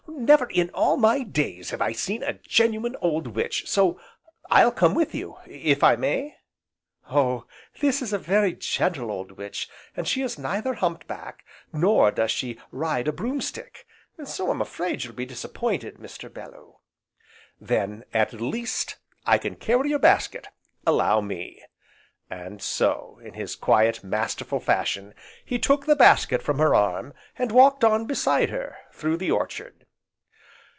"Never in all my days have I seen a genuine, old witch, so I'll come with you, if I may?" "Oh, this is a very gentle old witch, and she is neither humpbacked, nor does she ride a broom stick, so I'm afraid you'll be disappointed, Mr. Bellew." "Then, at least, I can carry your basket, allow me!" And so, in his quiet, masterful fashion he took the basket from her arm, and walked on beside her, through the orchard.